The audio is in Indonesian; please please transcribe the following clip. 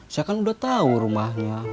saya kan udah tahu rumahnya